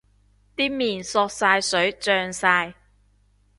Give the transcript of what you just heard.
啲麵索晒水脹晒